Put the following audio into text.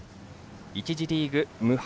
１次リーグ、無敗。